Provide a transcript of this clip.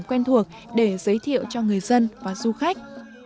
quen thuộc để giới thiệu cho người dân và du khách